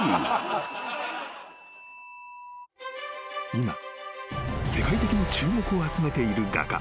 ［今世界的に注目を集めている画家